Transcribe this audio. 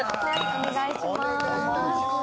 お願いいたします。